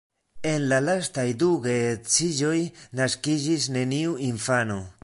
En la lastaj du geedziĝoj naskiĝis neniu infano.